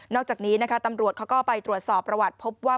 อกจากนี้นะคะตำรวจเขาก็ไปตรวจสอบประวัติพบว่า